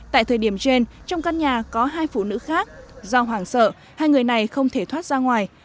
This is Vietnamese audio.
tại thời điểm trên trong căn nhà có hai phụ nữ khác do hoảng sợ hai người này không thể thoát ra ngoài